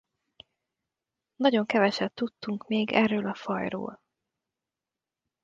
Nagyon keveset tudunk még erről a fajról.